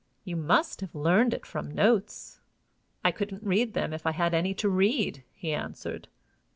"You must have learned it from notes?" "I couldn't read them if I had any to read," he answered.